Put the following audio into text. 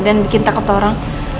dan bikin takut orang